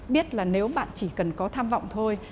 biết là nếu bạn chỉ cần có tham vọng thôi